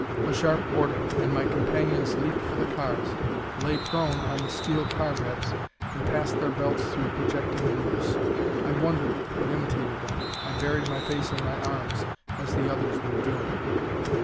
A sharp order, and my companions leaped for the cars, lay prone on the steel car beds, and passed their belts through projecting loops. I wondered, but imitated them. I buried my face in my arms, as the others were doing.